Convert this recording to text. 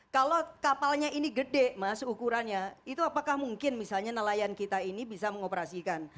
kalau kapalnya ini gede mas ukurannya itu apakah mungkin misalnya nelayan kita ini bisa mengoperasikan